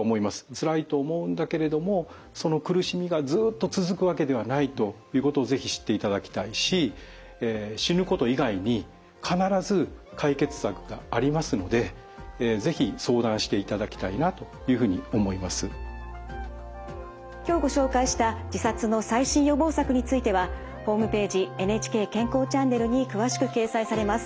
つらいと思うんだけれどもその苦しみがずっと続くわけではないということを是非知っていただきたいし今日ご紹介した自殺の最新予防策についてはホームページ「ＮＨＫ健康チャンネル」に詳しく掲載されます。